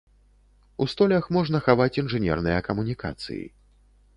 У столях можна хаваць інжынерныя камунікацыі.